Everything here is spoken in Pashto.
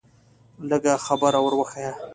لږه خبره ور وښیه.